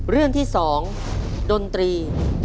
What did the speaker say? เรื่องที่๒ดนตรี